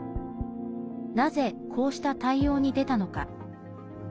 なぜ、こうした対応に出たのか。